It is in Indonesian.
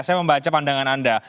saya membaca pandangan anda